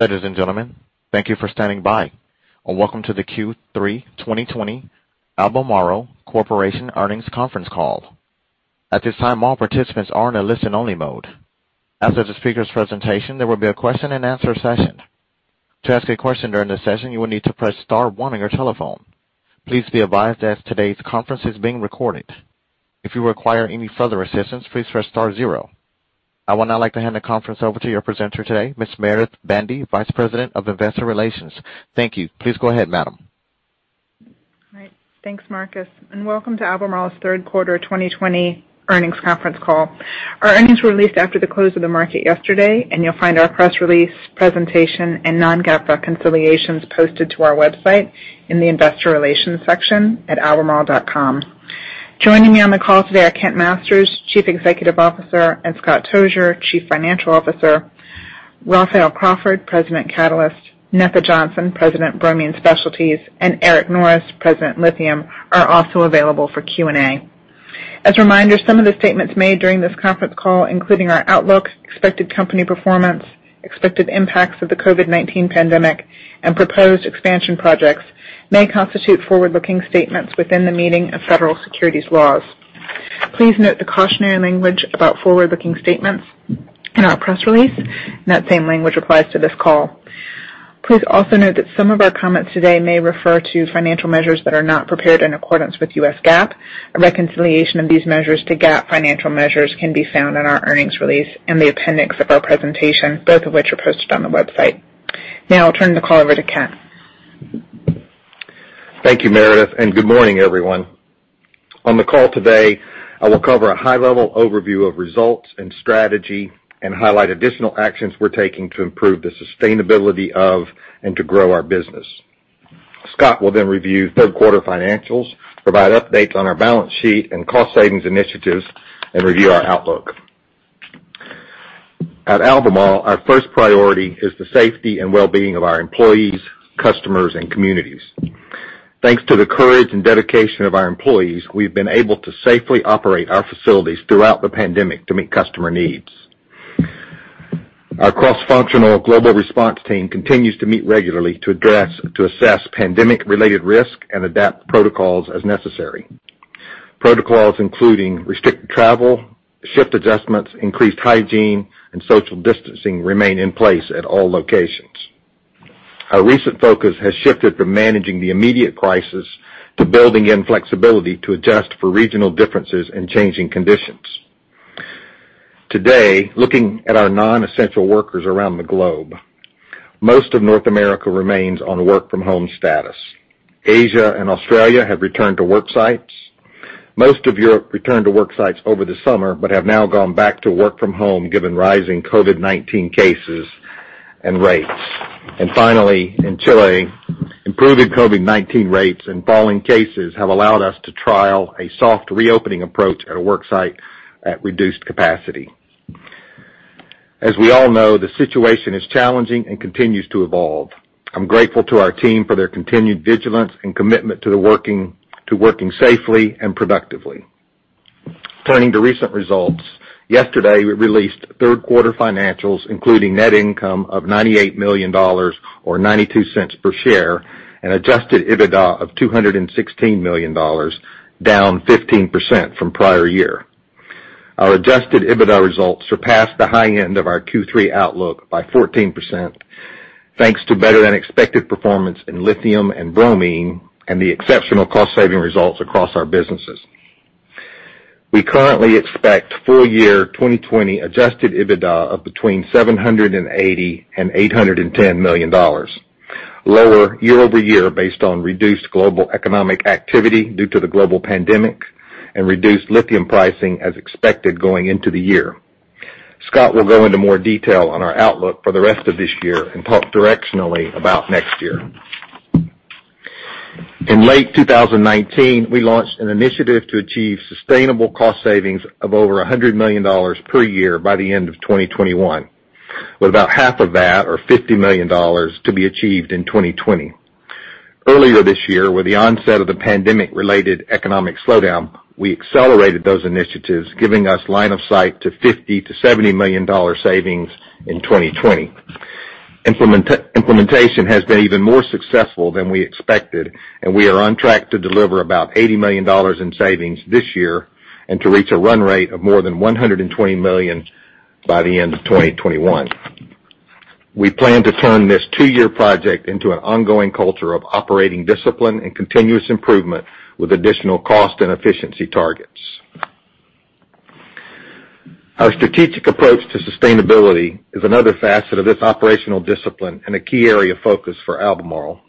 Ladies and gentlemen, thank you for standing by, and welcome to the Q3 2020 Albemarle Corporation earnings conference call. At this time, all participants are in a listen-only mode. After the speaker's presentation, there will be a question-and-answer session. To ask a question during the session, you will need to press star one on your telephone. Please be advised that today's conference is being recorded. If you require any further assistance, please press star zero. I would now like to hand the conference over to your presenter today, Ms. Meredith Bandy, Vice President of Investor Relations. Thank you. Please go ahead, madam. All right. Thanks, Marcus, and welcome to Albemarle's third quarter 2020 earnings conference call. Our earnings were released after the close of the market yesterday, and you'll find our press release presentation and non-GAAP reconciliations posted to our website in the investor relations section at albemarle.com. Joining me on the call today are Kent Masters, Chief Executive Officer, and Scott Tozier, Chief Financial Officer. Raphael Crawford, President, Catalysts, Netha Johnson, President, Bromine Specialties, and Eric Norris, President, Lithium, are also available for Q&A. As a reminder, some of the statements made during this conference call, including our outlook, expected company performance, expected impacts of the COVID-19 pandemic, and proposed expansion projects, may constitute forward-looking statements within the meaning of federal securities laws. Please note the cautionary language about forward-looking statements in our press release, and that same language applies to this call. Please also note that some of our comments today may refer to financial measures that are not prepared in accordance with U.S. GAAP. A reconciliation of these measures to GAAP financial measures can be found in our earnings release and the appendix of our presentation, both of which are posted on the website. Now I'll turn the call over to Kent. Thank you, Meredith. Good morning, everyone. On the call today, I will cover a high-level overview of results and strategy and highlight additional actions we're taking to improve the sustainability of and to grow our business. Scott will review third-quarter financials, provide updates on our balance sheet and cost savings initiatives, and review our outlook. At Albemarle, our first priority is the safety and well-being of our employees, customers, and communities. Thanks to the courage and dedication of our employees, we've been able to safely operate our facilities throughout the pandemic to meet customer needs. Our cross-functional global response team continues to meet regularly to assess pandemic-related risk and adapt protocols as necessary. Protocols including restricted travel, shift adjustments, increased hygiene, and social distancing remain in place at all locations. Our recent focus has shifted from managing the immediate crisis to building in flexibility to adjust for regional differences in changing conditions. Today, looking at our non-essential workers around the globe, most of North America remains on work-from-home status. Asia and Australia have returned to work sites. Most of Europe returned to work sites over the summer, but have now gone back to work from home given rising COVID-19 cases and rates. Finally, in Chile, improving COVID-19 rates and falling cases have allowed us to trial a soft reopening approach at a work site at reduced capacity. As we all know, the situation is challenging and continues to evolve. I'm grateful to our team for their continued vigilance and commitment to working safely and productively. Turning to recent results, yesterday, we released third-quarter financials, including net income of $98 million, or $0.92 per share, and adjusted EBITDA of $216 million, down 15% from prior year. Our adjusted EBITDA results surpassed the high end of our Q3 outlook by 14%, thanks to better-than-expected performance in lithium and bromine and the exceptional cost-saving results across our businesses. We currently expect full-year 2020 adjusted EBITDA of between $780 million and $810 million, lower year-over-year based on reduced global economic activity due to the global pandemic and reduced lithium pricing as expected going into the year. Scott will go into more detail on our outlook for the rest of this year and talk directionally about next year. In late 2019, we launched an initiative to achieve sustainable cost savings of over $100 million per year by the end of 2021, with about half of that, or $50 million, to be achieved in 2020. Earlier this year, with the onset of the pandemic-related economic slowdown, we accelerated those initiatives, giving us line of sight to $50 million-$70 million savings in 2020. Implementation has been even more successful than we expected, and we are on track to deliver about $80 million in savings this year and to reach a run rate of more than $120 million by the end of 2021. We plan to turn this two-year project into an ongoing culture of operating discipline and continuous improvement with additional cost and efficiency targets. Our strategic approach to sustainability is another facet of this operational discipline and a key area of focus for Albemarle.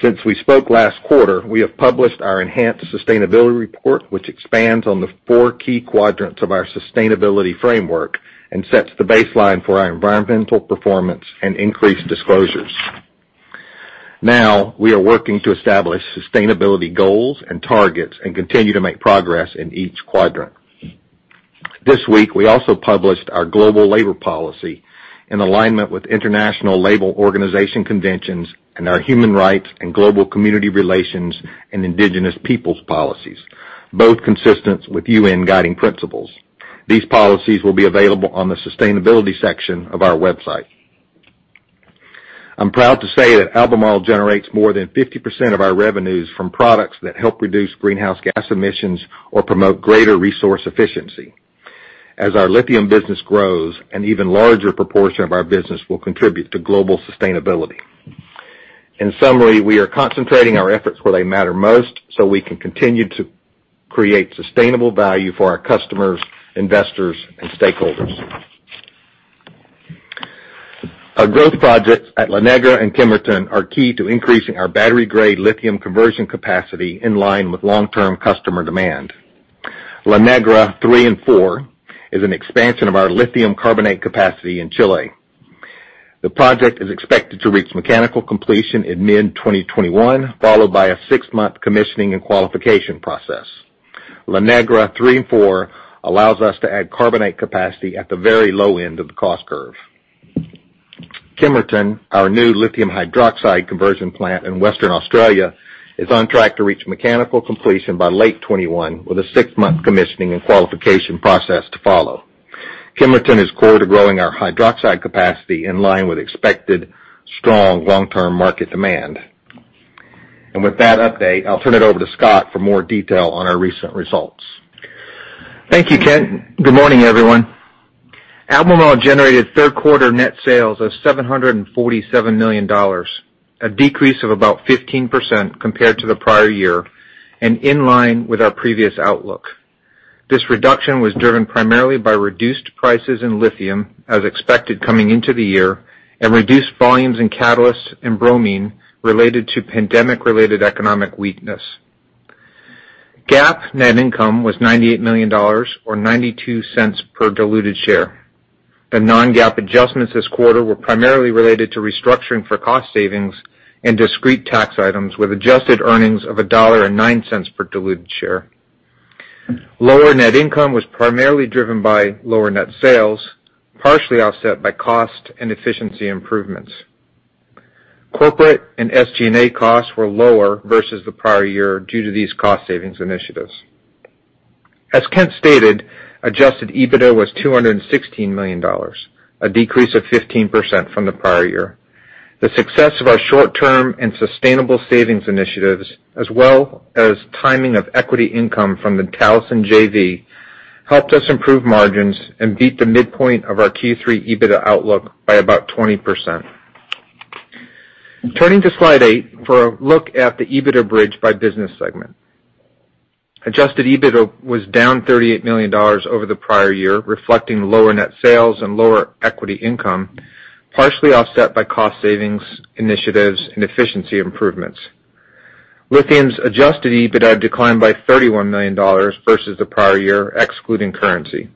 Since we spoke last quarter, we have published our enhanced sustainability report, which expands on the four key quadrants of our sustainability framework and sets the baseline for our environmental performance and increased disclosures. We are working to establish sustainability goals and targets and continue to make progress in each quadrant. This week, we also published our global labor policy in alignment with International Labor Organization conventions and our human rights and global community relations and indigenous peoples policies, both consistent with UN guiding principles. These policies will be available on the sustainability section of our website. I'm proud to say that Albemarle generates more than 50% of our revenues from products that help reduce greenhouse gas emissions or promote greater resource efficiency. As our lithium business grows, an even larger proportion of our business will contribute to global sustainability. In summary, we are concentrating our efforts where they matter most so we can continue to create sustainable value for our customers, investors, and stakeholders. Our growth projects at La Negra and Kemerton are key to increasing our battery-grade lithium conversion capacity in line with long-term customer demand. La Negra III and IV is an expansion of our lithium carbonate capacity in Chile. The project is expected to reach mechanical completion in mid-2021, followed by a six-month commissioning and qualification process. La Negra III and IV allows us to add carbonate capacity at the very low end of the cost curve. Kemerton, our new lithium hydroxide conversion plant in Western Australia, is on track to reach mechanical completion by late 2021, with a six-month commissioning and qualification process to follow. Kemerton is core to growing our hydroxide capacity in line with expected strong long-term market demand. With that update, I'll turn it over to Scott for more detail on our recent results. Thank you, Kent. Good morning, everyone. Albemarle generated third quarter net sales of $747 million, a decrease of about 15% compared to the prior year and in line with our previous outlook. This reduction was driven primarily by reduced prices in lithium, as expected coming into the year, and reduced volumes in Catalysts and bromine related to pandemic-related economic weakness. GAAP net income was $98 million, or $0.92 per diluted share. The non-GAAP adjustments this quarter were primarily related to restructuring for cost savings and discrete tax items with adjusted earnings of $1.09 per diluted share. Lower net income was primarily driven by lower net sales, partially offset by cost and efficiency improvements. Corporate and SG&A costs were lower versus the prior year due to these cost savings initiatives. As Kent stated, adjusted EBITDA was $216 million, a decrease of 15% from the prior year. The success of our short-term and sustainable savings initiatives, as well as timing of equity income from the Talison JV, helped us improve margins and beat the midpoint of our Q3 EBITDA outlook by about 20%. Turning to slide eight for a look at the EBITDA bridge by business segment. Adjusted EBITDA was down $38 million over the prior year, reflecting lower net sales and lower equity income, partially offset by cost savings initiatives and efficiency improvements. Lithium's adjusted EBITDA declined by $31 million versus the prior year, excluding currency.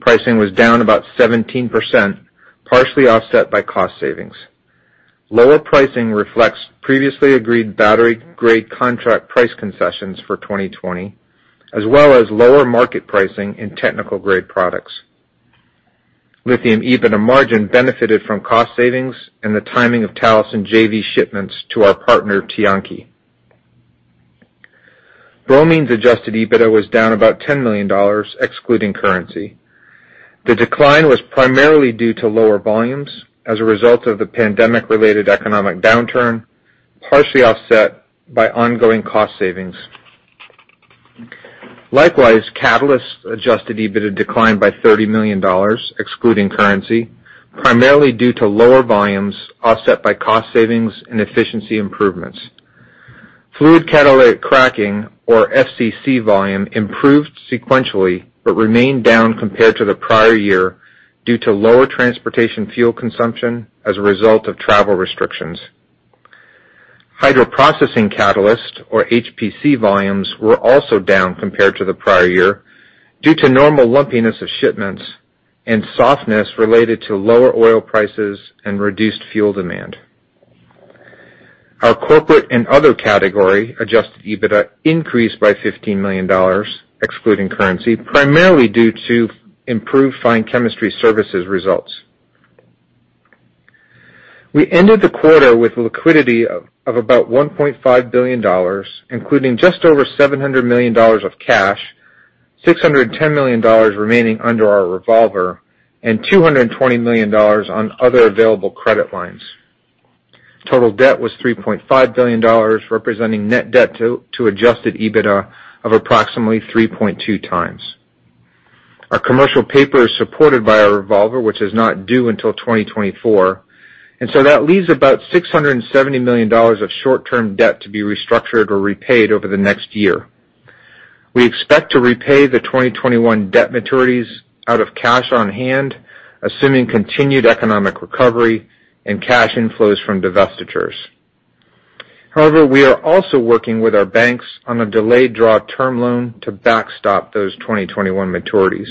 Pricing was down about 17%, partially offset by cost savings. Lower pricing reflects previously agreed battery grade contract price concessions for 2020, as well as lower market pricing in technical-grade products. Lithium EBITDA margin benefited from cost savings and the timing of Talison JV shipments to our partner Tianqi. Bromine's adjusted EBITDA was down about $10 million excluding currency. The decline was primarily due to lower volumes as a result of the pandemic-related economic downturn, partially offset by ongoing cost savings. Likewise, Catalysts adjusted EBITDA declined by $30 million excluding currency, primarily due to lower volumes offset by cost savings and efficiency improvements. Fluid catalytic cracking, or FCC volume, improved sequentially but remained down compared to the prior year due to lower transportation fuel consumption as a result of travel restrictions. Hydroprocessing catalyst, or HPC volumes, were also down compared to the prior year due to normal lumpiness of shipments and softness related to lower oil prices and reduced fuel demand. Our corporate and other category adjusted EBITDA increased by $15 million excluding currency, primarily due to improved fine chemistry services results. We ended the quarter with liquidity of about $1.5 billion, including just over $700 million of cash, $610 million remaining under our revolver, and $220 million on other available credit lines. Total debt was $3.5 billion, representing net debt to adjusted EBITDA of approximately 3.2x. Our commercial paper is supported by our revolver, which is not due until 2024, and so that leaves about $670 million of short-term debt to be restructured or repaid over the next year. We expect to repay the 2021 debt maturities out of cash on hand, assuming continued economic recovery and cash inflows from divestitures. However, we are also working with our banks on a delayed draw term loan to backstop those 2021 maturities.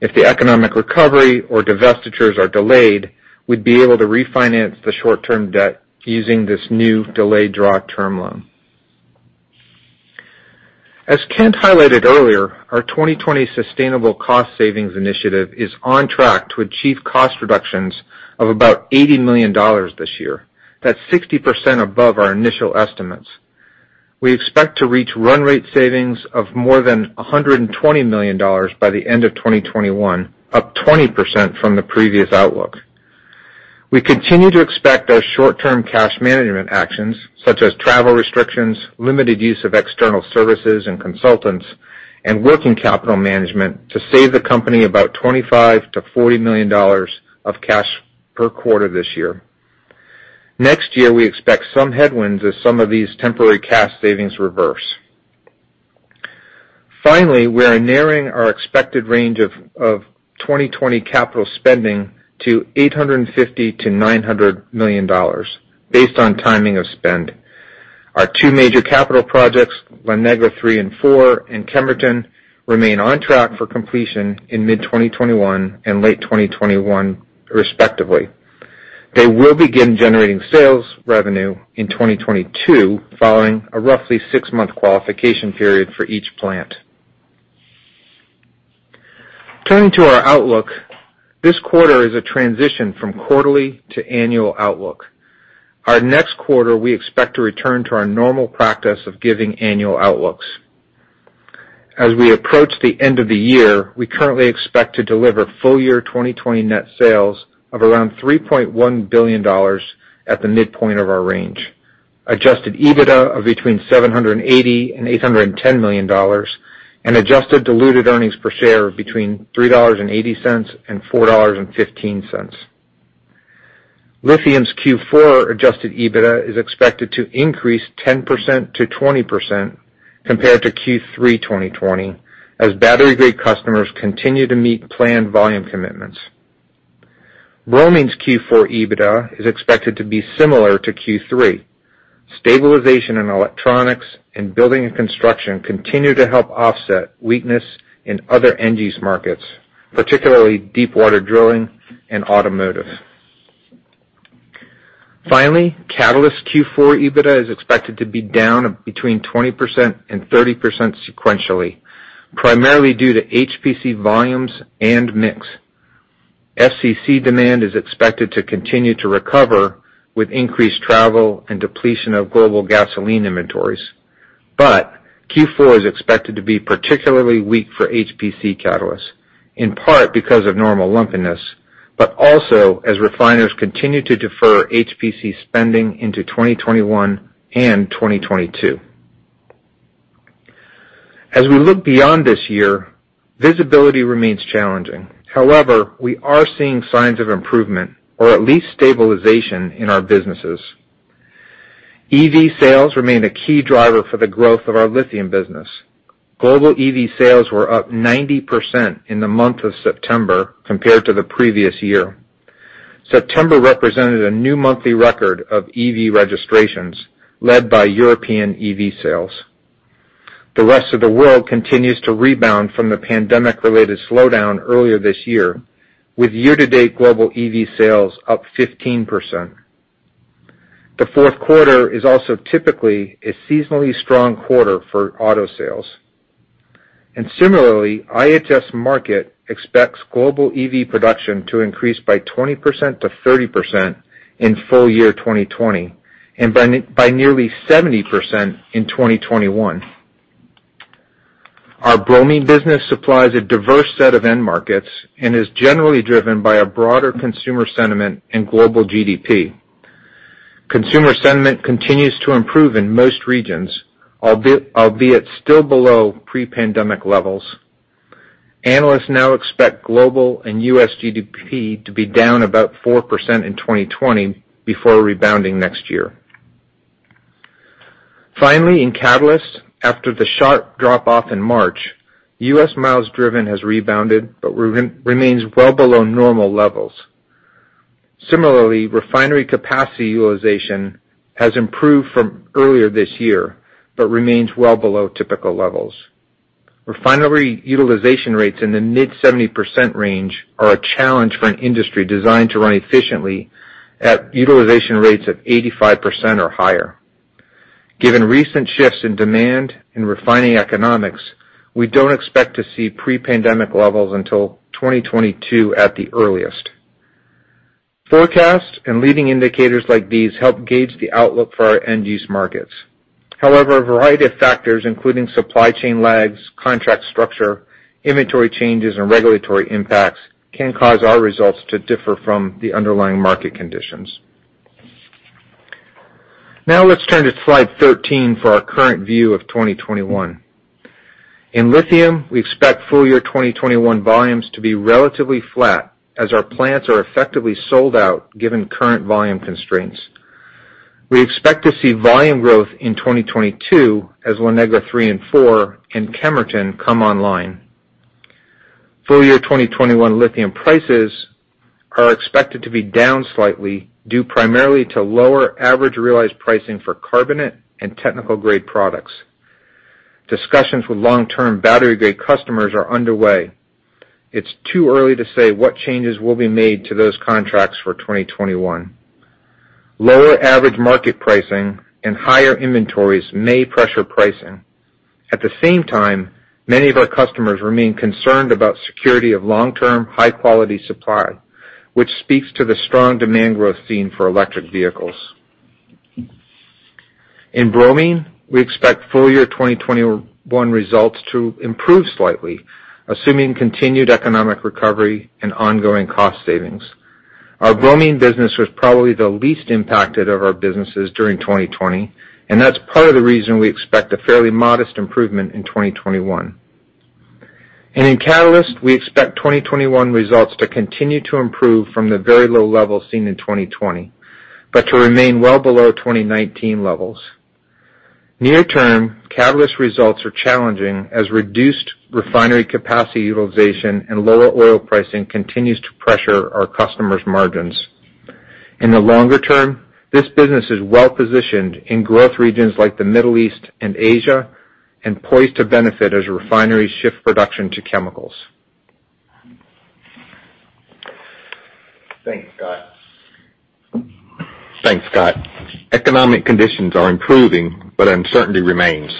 If the economic recovery or divestitures are delayed, we'd be able to refinance the short-term debt using this new delayed draw term loan. As Kent highlighted earlier, our 2020 sustainable cost savings initiative is on track to achieve cost reductions of about $80 million this year. That's 60% above our initial estimates. We expect to reach run rate savings of more than $120 million by the end of 2021, up 20% from the previous outlook. We continue to expect our short-term cash management actions, such as travel restrictions, limited use of external services and consultants, and working capital management, to save the company about $25 million-$40 million of cash per quarter this year. Next year, we expect some headwinds as some of these temporary cash savings reverse. Finally, we are narrowing our expected range of 2020 capital spending to $850 million-$900 million, based on timing of spend. Our two major capital projects, La Negra III and IV and Kemerton, remain on track for completion in mid-2021 and late 2021, respectively. They will begin generating sales revenue in 2022 following a roughly six-month qualification period for each plant. Turning to our outlook, this quarter is a transition from quarterly to annual outlook. Our next quarter, we expect to return to our normal practice of giving annual outlooks. As we approach the end of the year, we currently expect to deliver full-year 2020 net sales of around $3.1 billion at the midpoint of our range, adjusted EBITDA of between $780 and $810 million, and adjusted diluted earnings per share of between $3.80 and $4.15. Lithium's Q4 adjusted EBITDA is expected to increase 10%-20% compared to Q3 2020 as battery-grade customers continue to meet planned volume commitments. Bromine's Q4 EBITDA is expected to be similar to Q3. Stabilization in electronics and building and construction continue to help offset weakness in other end-use markets, particularly deepwater drilling and automotive. Finally, Catalysts' Q4 EBITDA is expected to be down between 20% and 30% sequentially, primarily due to HPC volumes and mix. FCC demand is expected to continue to recover with increased travel and depletion of global gasoline inventories. Q4 is expected to be particularly weak for HPC Catalysts, in part because of normal lumpiness, but also as refiners continue to defer HPC spending into 2021 and 2022. As we look beyond this year, visibility remains challenging. However, we are seeing signs of improvement or at least stabilization in our businesses. EV sales remain a key driver for the growth of our lithium business. Global EV sales were up 90% in the month of September compared to the previous year. September represented a new monthly record of EV registrations led by European EV sales. The rest of the world continues to rebound from the pandemic-related slowdown earlier this year, with year-to-date global EV sales up 15%. The fourth quarter is also typically a seasonally strong quarter for auto sales. Similarly, IHS Markit expects global EV production to increase by 20%-30% in full year 2020 and by nearly 70% in 2021. Our bromine business supplies a diverse set of end markets and is generally driven by a broader consumer sentiment in global GDP. Consumer sentiment continues to improve in most regions, albeit still below pre-pandemic levels. Analysts now expect global and U.S. GDP to be down about 4% in 2020 before rebounding next year. Finally, in Catalysts, after the sharp drop-off in March, U.S. miles driven has rebounded but remains well below normal levels. Similarly, refinery capacity utilization has improved from earlier this year, but remains well below typical levels. Refinery utilization rates in the mid-70% range are a challenge for an industry designed to run efficiently at utilization rates of 85% or higher. Given recent shifts in demand and refining economics, we don't expect to see pre-pandemic levels until 2022 at the earliest. Forecasts and leading indicators like these help gauge the outlook for our end-use markets. However, a variety of factors, including supply chain lags, contract structure, inventory changes, and regulatory impacts, can cause our results to differ from the underlying market conditions. Now let's turn to slide 13 for our current view of 2021. In lithium, we expect full-year 2021 volumes to be relatively flat as our plants are effectively sold out given current volume constraints. We expect to see volume growth in 2022 as La Negra III and IV and Kemerton come online. Full-year 2021 lithium prices are expected to be down slightly due primarily to lower average realized pricing for carbonate and technical-grade products. Discussions with long-term battery-grade customers are underway. It's too early to say what changes will be made to those contracts for 2021. Lower average market pricing and higher inventories may pressure pricing. At the same time, many of our customers remain concerned about security of long-term, high-quality supply, which speaks to the strong demand growth seen for electric vehicles. In Bromine, we expect full-year 2021 results to improve slightly, assuming continued economic recovery and ongoing cost savings. Our Bromine business was probably the least impacted of our businesses during 2020, and that's part of the reason we expect a fairly modest improvement in 2021. In Catalysts, we expect 2021 results to continue to improve from the very low level seen in 2020, but to remain well below 2019 levels. Near-term, Catalysts results are challenging as reduced refinery capacity utilization and lower oil pricing continues to pressure our customers' margins. In the longer-term, this business is well positioned in growth regions like the Middle East and Asia, and poised to benefit as refineries shift production to chemicals. Thanks, Scott. Thanks, Scott. Economic conditions are improving, but uncertainty remains,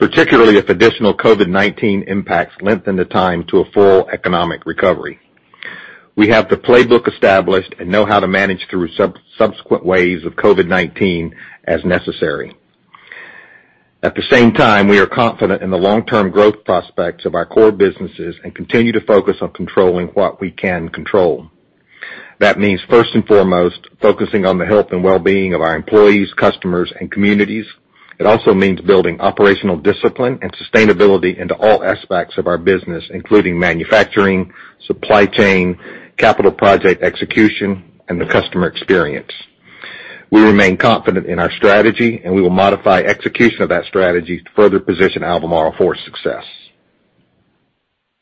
particularly if additional COVID-19 impacts lengthen the time to a full economic recovery. We have the playbook established and know how to manage through subsequent waves of COVID-19 as necessary. At the same time, we are confident in the long-term growth prospects of our core businesses and continue to focus on controlling what we can control. That means first and foremost, focusing on the health and wellbeing of our employees, customers, and communities. It also means building operational discipline and sustainability into all aspects of our business, including manufacturing, supply chain, capital project execution, and the customer experience. We remain confident in our strategy, and we will modify execution of that strategy to further position Albemarle for success.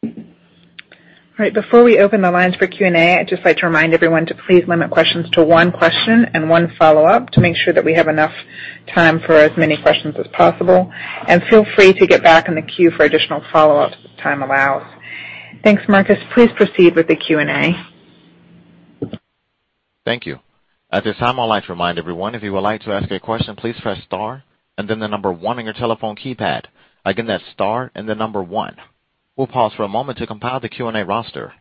All right. Before we open the lines for Q&A, I'd just like to remind everyone to please limit questions to one question and one follow-up to make sure that we have enough time for as many questions as possible. Feel free to get back in the queue for additional follow-ups as time allows. Thanks, Marcus. Please proceed with the Q&A. Thank you. At this time, I would like to remind everyone, if you would like to ask a question, please press star and then the number one on your telephone keypad. Again, that's star and the number one. We'll pause for a moment to compile the Q&A roster.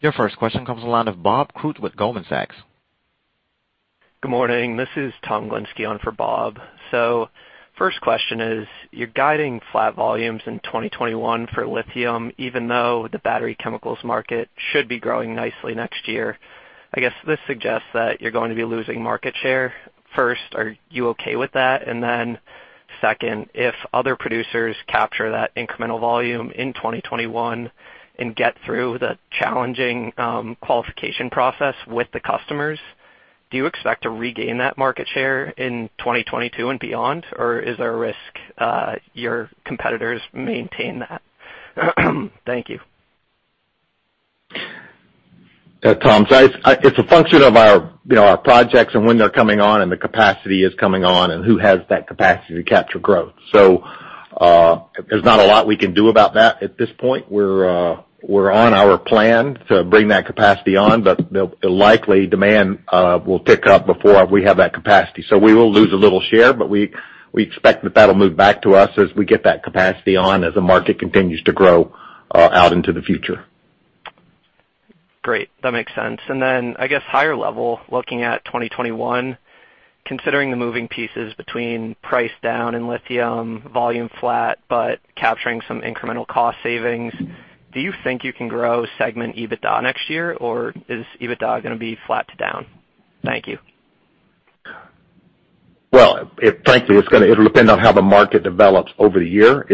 Your first question comes from the line of Bob Koontz with Goldman Sachs. Good morning. This is Tom Glinksi on for Bob. First question is, you're guiding flat volumes in 2021 for lithium, even though the battery chemicals market should be growing nicely next year. I guess this suggests that you're going to be losing market share. First, are you okay with that? Then second, if other producers capture that incremental volume in 2021 and get through the challenging qualification process with the customers, do you expect to regain that market share in 2022 and beyond, or is there a risk your competitors maintain that? Thank you. Tom, it's a function of our projects and when they're coming on and the capacity is coming on and who has that capacity to capture growth. There's not a lot we can do about that at this point. We're on our plan to bring that capacity on, but likely demand will tick up before we have that capacity. We will lose a little share, but we expect that that'll move back to us as we get that capacity on as the market continues to grow out into the future. Great. That makes sense. Then, I guess higher level, looking at 2021, considering the moving pieces between price down in lithium, volume flat, but capturing some incremental cost savings, do you think you can grow segment EBITDA next year, or is EBITDA going to be flat to down? Thank you. Well, frankly, it'll depend on how the market develops over the year.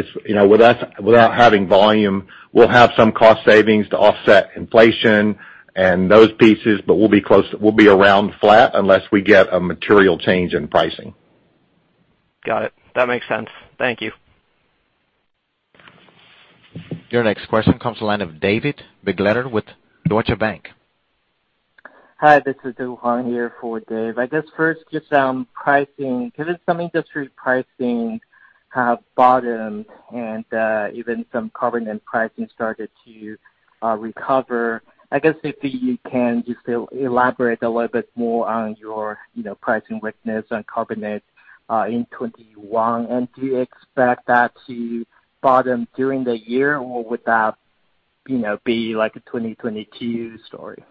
Without having volume, we'll have some cost savings to offset inflation and those pieces, but we'll be around flat unless we get a material change in pricing. Got it. That makes sense. Thank you. Your next question comes the line of David Begleiter with Deutsche Bank. Hi, this is Dehua here for Dave. I guess first, just on pricing, given some industry pricing have bottomed and even some carbonate pricing started to recover, I guess if you can just elaborate a little bit more on your pricing weakness on carbonate in 2021, and do you expect that to bottom during the year, or would that be like a 2022 story?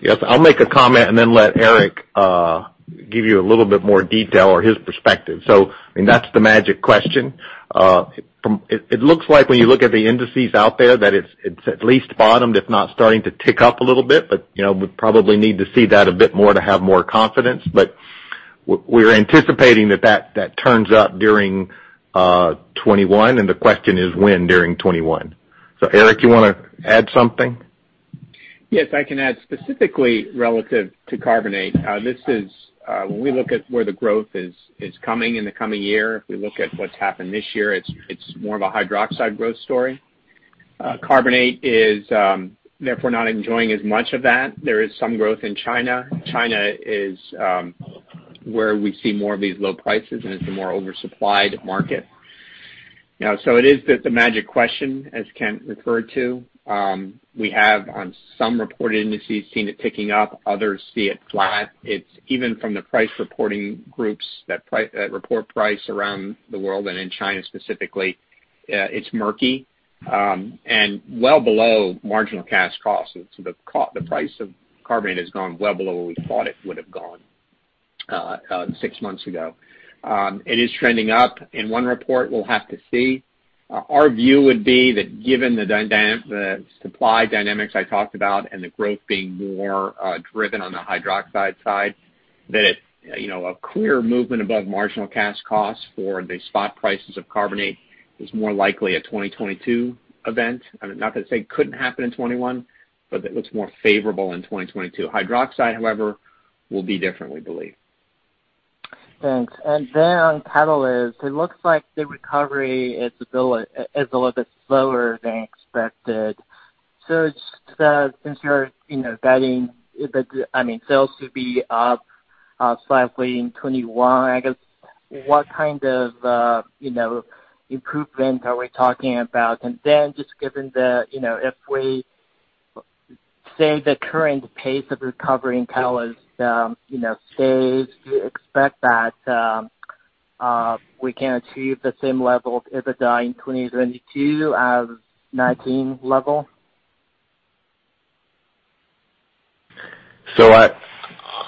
Yes, I'll make a comment and then let Eric give you a little bit more detail or his perspective. That's the magic question. It looks like when you look at the indices out there that it's at least bottomed, if not starting to tick up a little bit. We probably need to see that a bit more to have more confidence. We're anticipating that that turns up during 2021, and the question is when during 2021. Eric, you want to add something? Yes, I can add specifically relative to carbonate. When we look at where the growth is coming in the coming year, if we look at what's happened this year, it's more of a hydroxide growth story. Carbonate is, therefore, not enjoying as much of that. There is some growth in China. China is where we see more of these low prices, and it's a more oversupplied market. It is the magic question, as Kent referred to. We have, on some reported indices, seen it ticking up, others see it flat. It's even from the price reporting groups that report price around the world and in China specifically. It's murky, and well below marginal cash costs. The price of carbonate has gone well below where we thought it would have gone six months ago. It is trending up in one report. We'll have to see. Our view would be that given the supply dynamics I talked about and the growth being more driven on the hydroxide side, that a clear movement above marginal cash costs for the spot prices of carbonate is more likely a 2022 event. I mean, not to say it couldn't happen in 2021, but it looks more favorable in 2022. Hydroxide, however, will be different, we believe. Thanks. On Catalysts, it looks like the recovery is a little bit slower than expected. Just since you're guiding EBITDA, sales to be up slightly in 2021, I guess what kind of improvement are we talking about? Just given the, if we say the current pace of recovery in Catalysts stays, do you expect that we can achieve the same level of EBITDA in 2022 as 2019 level?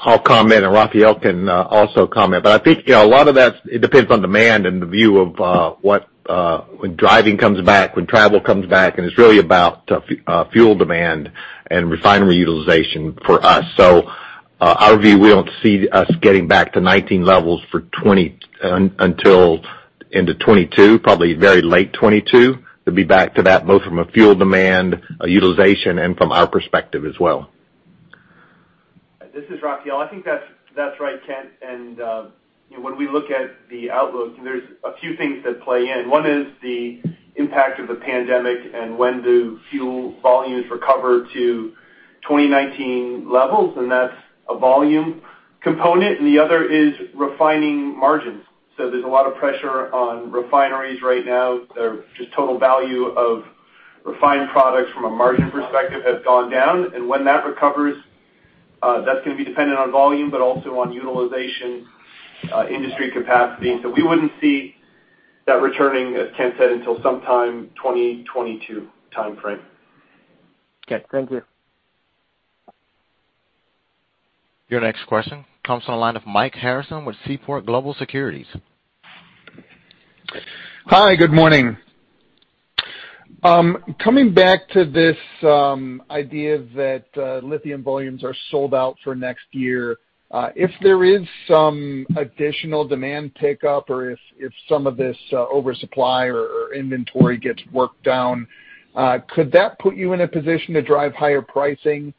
I'll comment, and Raphael can also comment, but I think a lot of that, it depends on demand and the view of when driving comes back, when travel comes back, and it's really about fuel demand and refinery utilization for us. Our view, we don't see us getting back to 2019 levels until into 2022, probably very late 2022, to be back to that, both from a fuel demand utilization and from our perspective as well. This is Raphael. I think that's right, Kent. When we look at the outlook, there's a few things that play in. One is the impact of the pandemic and when do fuel volumes recover to 2019 levels, and that's a volume component. The other is refining margins. There's a lot of pressure on refineries right now. Their just total value of refined products from a margin perspective has gone down. When that recovers, that's going to be dependent on volume, but also on utilization, industry capacity. We wouldn't see that returning, as Kent said, until sometime 2022 timeframe. Okay. Thank you. Your next question comes on the line of Mike Harrison with Seaport Global Securities. Hi, good morning. Coming back to this idea that lithium volumes are sold out for next year, if there is some additional demand pickup or if some of this oversupply or inventory gets worked down, could that put you in a position to drive higher pricing?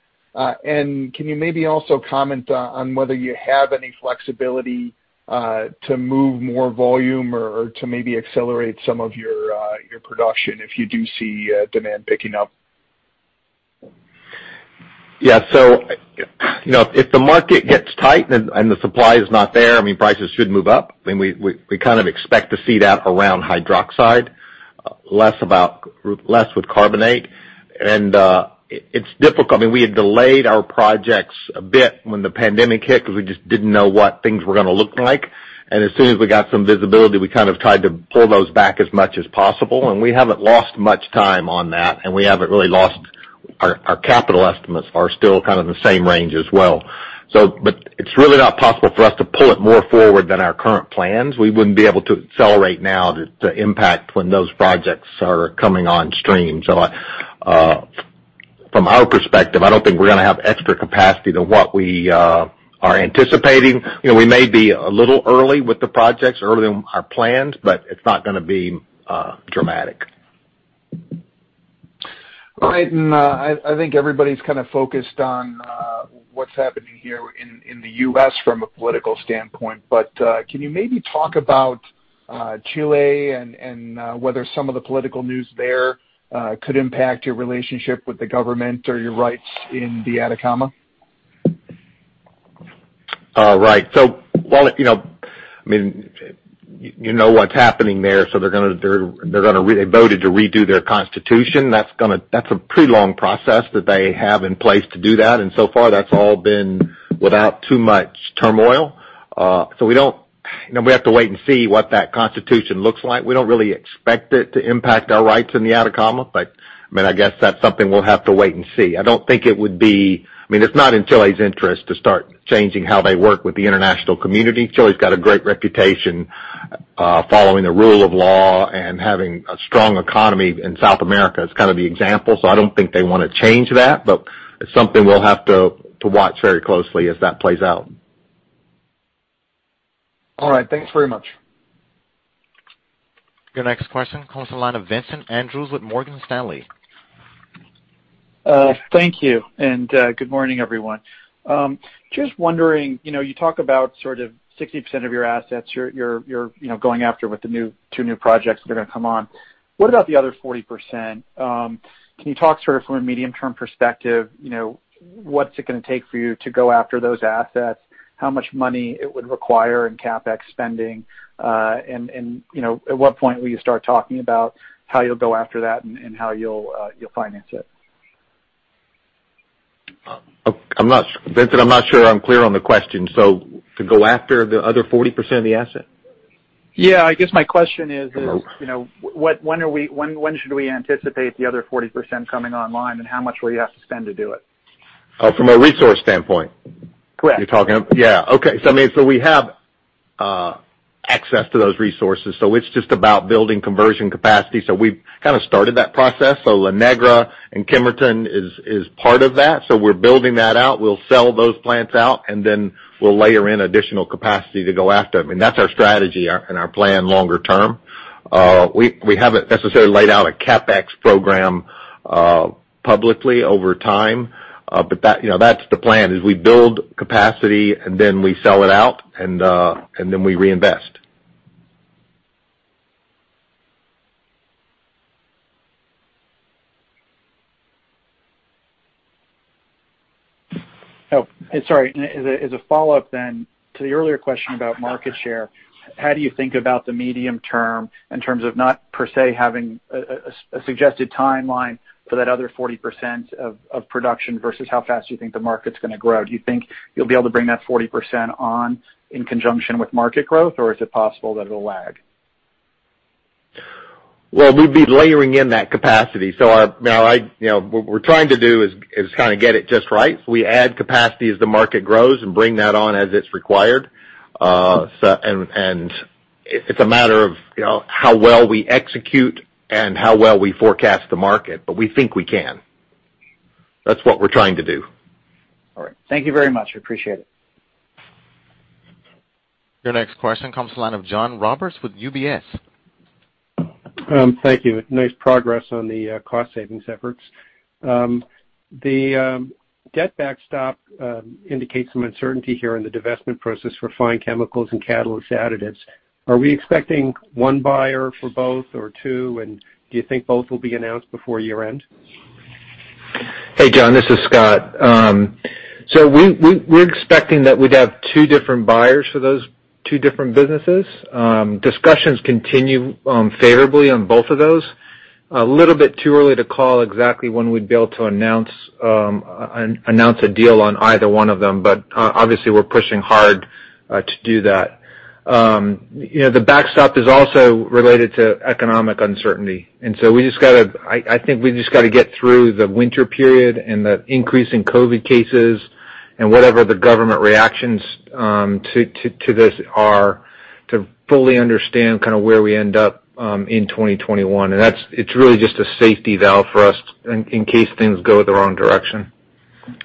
Can you maybe also comment on whether you have any flexibility to move more volume or to maybe accelerate some of your production if you do see demand picking up? Yeah. If the market gets tight and the supply is not there, prices should move up. We kind of expect to see that around hydroxide. Less with carbonate. It's difficult. We had delayed our projects a bit when the pandemic hit because we just didn't know what things were going to look like. As soon as we got some visibility, we kind of tried to pull those back as much as possible, and we haven't lost much time on that, and we haven't really lost our capital estimates are still kind of in the same range as well. It's really not possible for us to pull it more forward than our current plans. We wouldn't be able to accelerate now to impact when those projects are coming on stream. From our perspective, I don't think we're going to have extra capacity to what we are anticipating. We may be a little early with the projects, earlier than our plans, but it's not going to be dramatic. I think everybody's kind of focused on what's happening here in the U.S. from a political standpoint, but can you maybe talk about Chile and whether some of the political news there could impact your relationship with the government or your rights in the Atacama? Right. You know what's happening there. They voted to redo their constitution. That's a pretty long process that they have in place to do that, and so far that's all been without too much turmoil. We have to wait and see what that constitution looks like. We don't really expect it to impact our rights in the Atacama. I guess that's something we'll have to wait and see. It's not in Chile's interest to start changing how they work with the international community. Chile's got a great reputation following the rule of law and having a strong economy in South America. It's kind of the example, so I don't think they want to change that, but it's something we'll have to watch very closely as that plays out. All right. Thanks very much. Your next question comes to the line of Vincent Andrews with Morgan Stanley. Thank you, and good morning, everyone. Just wondering, you talk about sort of 60% of your assets you're going after with the two new projects that are going to come on. What about the other 40%? Can you talk sort of from a medium-term perspective, what's it going to take for you to go after those assets, how much money it would require in CapEx spending, and at what point will you start talking about how you'll go after that and how you'll finance it? Vincent, I'm not sure I'm clear on the question. To go after the other 40% of the asset? Yeah, I guess my question is- Oh. When should we anticipate the other 40% coming online, and how much will you have to spend to do it? Oh, from a resource standpoint? Correct. Yeah. Okay. We have access to those resources, so it's just about building conversion capacity. We've kind of started that process. La Negra and Kemerton is part of that, so we're building that out. We'll sell those plants out, and then we'll layer in additional capacity to go after them. That's our strategy and our plan longer-term. We haven't necessarily laid out a CapEx program publicly over time. That's the plan, is we build capacity and then we sell it out, and then we reinvest. Oh, sorry. As a follow-up to the earlier question about market share, how do you think about the medium-term in terms of not per se having a suggested timeline for that other 40% of production versus how fast you think the market's going to grow? Do you think you'll be able to bring that 40% on in conjunction with market growth, or is it possible that it'll lag? Well, we'd be layering in that capacity. What we're trying to do is kind of get it just right. We add capacity as the market grows and bring that on as it's required. It's a matter of how well we execute and how well we forecast the market, but we think we can. That's what we're trying to do. All right. Thank you very much. I appreciate it. Your next question comes to the line of John Roberts with UBS. Thank you. Nice progress on the cost savings efforts. The debt backstop indicates some uncertainty here in the divestment process for fine chemicals and catalyst additives. Are we expecting one buyer for both or two, and do you think both will be announced before year-end? Hey, John. This is Scott. We're expecting that we'd have two different buyers for those two different businesses. Discussions continue favorably on both of those. A little bit too early to call exactly when we'd be able to announce a deal on either one of them. Obviously, we're pushing hard to do that. The backstop is also related to economic uncertainty. I think we've just got to get through the winter period and the increase in COVID-19 cases and whatever the government reactions to this are to fully understand kind of where we end up in 2021. It's really just a safety valve for us in case things go the wrong direction.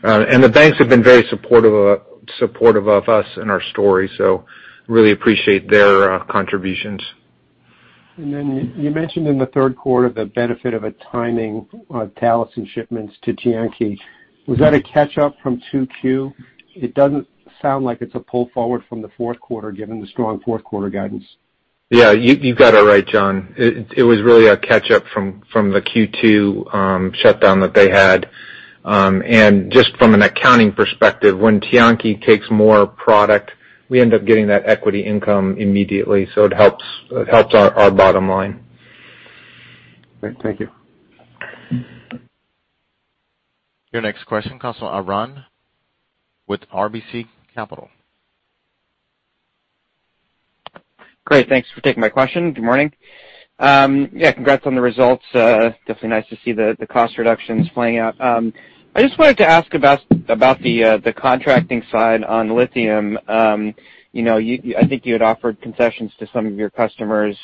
The banks have been very supportive of us and our story, so really appreciate their contributions. You mentioned in the third quarter the benefit of a timing of Talison shipments to Tianqi. Was that a catch-up from 2Q? It doesn't sound like it's a pull forward from the fourth quarter, given the strong fourth quarter guidance. Yeah, you've got it right, John. It was really a catch-up from the Q2 shutdown that they had. Just from an accounting perspective, when Tianqi takes more product, we end up getting that equity income immediately, so it helps our bottom line. Great. Thank you. Your next question comes from Arun with RBC Capital. Great. Thanks for taking my question. Good morning. Yeah, congrats on the results. Definitely nice to see the cost reductions playing out. I just wanted to ask about the contracting side on lithium. I think you had offered concessions to some of your customers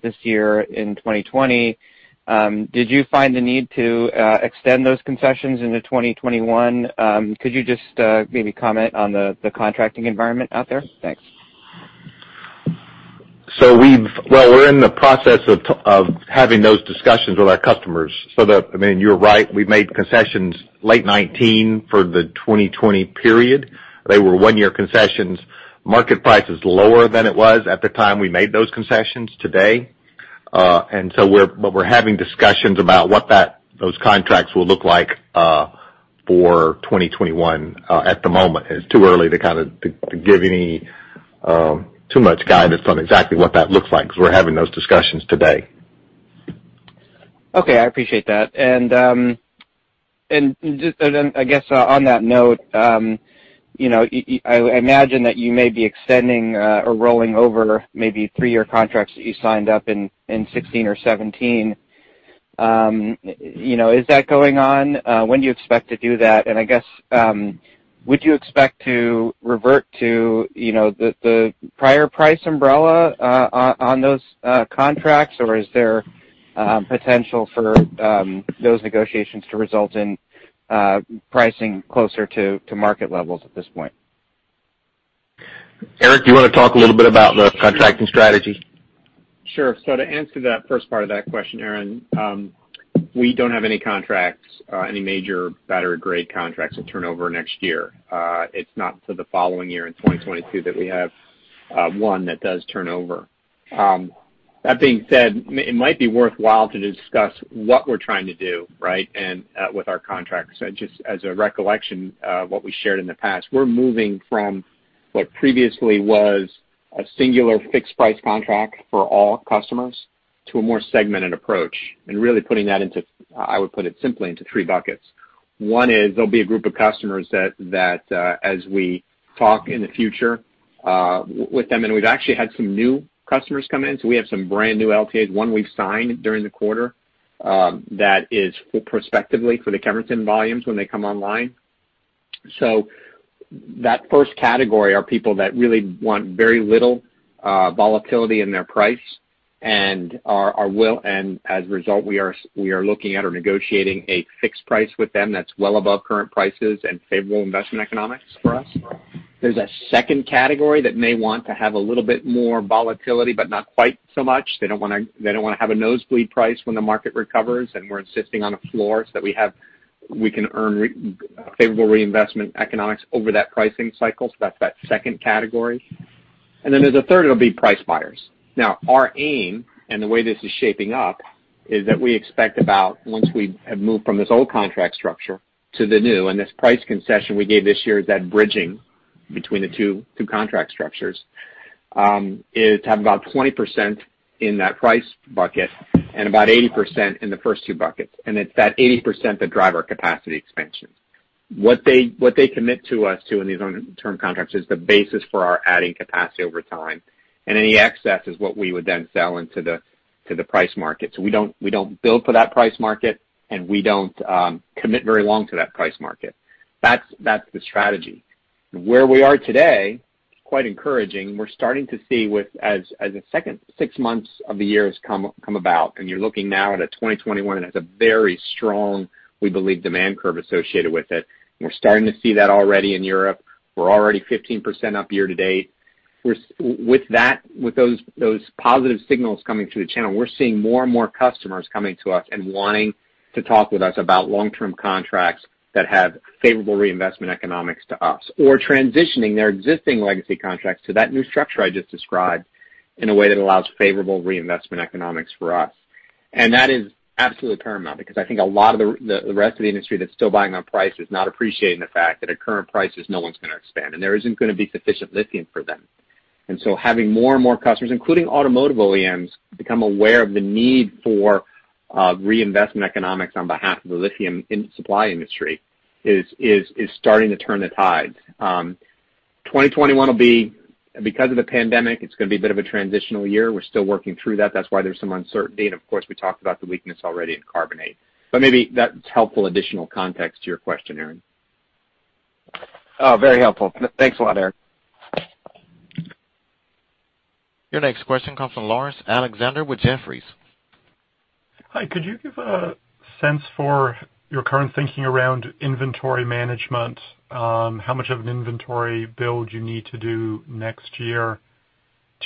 this year in 2020. Did you find the need to extend those concessions into 2021? Could you just maybe comment on the contracting environment out there? Thanks. Well, we're in the process of having those discussions with our customers. You're right, we made concessions late 2019 for the 2020 period. They were one-year concessions. Market price is lower than it was at the time we made those concessions today. We're having discussions about what those contracts will look like for 2021 at the moment. It's too early to give too much guidance on exactly what that looks like, because we're having those discussions today. I appreciate that. I guess on that note, I imagine that you may be extending or rolling over maybe three-year contracts that you signed up in 2016 or 2017. Is that going on? When do you expect to do that? I guess, would you expect to revert to the prior price umbrella on those contracts, or is there potential for those negotiations to result in pricing closer to market levels at this point? Eric, do you want to talk a little bit about the contracting strategy? Sure. To answer that first part of that question, Arun, we don't have any contracts, any major battery grade contracts that turn over next year. It's not till the following year in 2022 that we have one that does turn over. That being said, it might be worthwhile to discuss what we're trying to do with our contracts. Just as a recollection of what we shared in the past, we're moving from what previously was a singular fixed price contract for all customers to a more segmented approach, and really putting that into, I would put it simply, into three buckets. One is there'll be a group of customers that, as we talk in the future with them, and we've actually had some new customers come in, so we have some brand new LTAs, one we've signed during the quarter, that is prospectively for the Kemerton volumes when they come online. That first category are people that really want very little volatility in their price and as a result, we are looking at or negotiating a fixed price with them that's well above current prices and favorable investment economics for us. There's a second category that may want to have a little bit more volatility, but not quite so much. They don't want to have a nosebleed price when the market recovers, and we're insisting on a floor so that we can earn favorable reinvestment economics over that pricing cycle. That's that second category. There's a third, it'll be price buyers. Our aim, and the way this is shaping up, is that we expect about, once we have moved from this old contract structure to the new, and this price concession we gave this year is that bridging between the two contract structures, is to have about 20% in that price bucket and about 80% in the first two buckets. It's that 80% that drive our capacity expansion. What they commit to us to in these long-term contracts is the basis for our adding capacity over time. Any excess is what we would then sell into the price market. We don't build for that price market, and we don't commit very long to that price market. That's the strategy. Where we are today, it's quite encouraging. We're starting to see, as the second six months of the year has come about, you're looking now at a 2021 that has a very strong, we believe, demand curve associated with it. We're starting to see that already in Europe. We're already 15% up year to date. With those positive signals coming through the channel, we're seeing more and more customers coming to us and wanting to talk with us about long-term contracts that have favorable reinvestment economics to us or transitioning their existing legacy contracts to that new structure I just described in a way that allows favorable reinvestment economics for us. That is absolutely paramount because I think a lot of the rest of the industry that's still buying on price is not appreciating the fact that at current prices, no one's going to expand, and there isn't going to be sufficient lithium for them. Having more and more customers, including automotive OEMs, become aware of the need for reinvestment economics on behalf of the lithium supply industry is starting to turn the tide. 2021 will be, because of the pandemic, it's going to be a bit of a transitional year. We're still working through that. That's why there's some uncertainty. Of course, we talked about the weakness already in carbonate. Maybe that's helpful additional context to your question, Arun. Oh, very helpful. Thanks a lot, Eric. Your next question comes from Laurence Alexander with Jefferies. Hi, could you give a sense for your current thinking around inventory management? How much of an inventory build you need to do next year